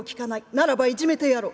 ならばいじめてやろう。